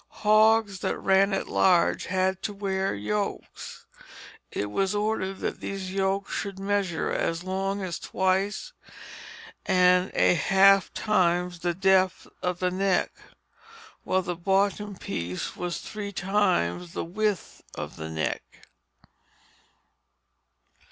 Hogs that ran at large had to wear yokes. It was ordered that these yokes should measure as long as twice and a half times the depth of the neck, while the bottom piece was three times the width of the neck.